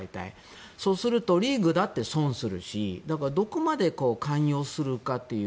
そうするとリーグだって損するしだからどこまで寛容するかという。